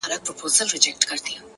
• ور اغوستي یې په پښو کي وه زنګونه ,